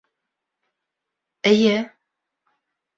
—Эйе.